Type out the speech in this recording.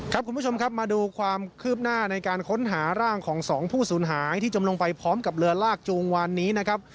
คุณผู้ชมครับมาดูความคืบหน้าในการค้นหาร่างของสองผู้สูญหายที่จมลงไปพร้อมกับเรือลากจูงวานนี้นะครับ